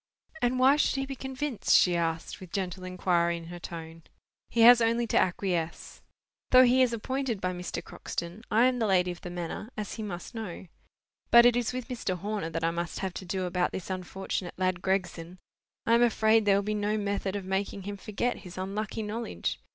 "And why should he be convinced?" she asked, with gentle inquiry in her tone. "He has only to acquiesce. Though he is appointed by Mr. Croxton, I am the lady of the manor, as he must know. But it is with Mr. Horner that I must have to do about this unfortunate lad Gregson. I am afraid there will be no method of making him forget his unlucky knowledge.